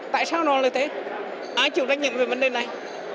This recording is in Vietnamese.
tại sao nó là thế ai chịu trách nhiệm về vấn đề này